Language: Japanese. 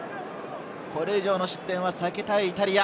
これ以上の失点は避けたいイタリア。